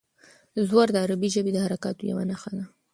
زور د عربي ژبې د حرکاتو یوه نښه ده.